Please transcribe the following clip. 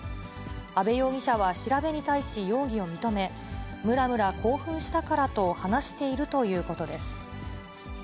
阿部容疑者は調べに対し容疑を認め、むらむら興奮したからと話しているということです。